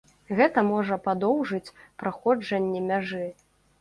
Гэта можа падоўжыць праходжанне мяжы.